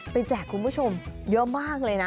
แจกคุณผู้ชมเยอะมากเลยนะ